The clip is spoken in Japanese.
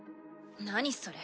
何それ。